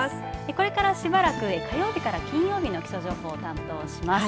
これからしばらく火曜日から金曜日の気象情報を担当します。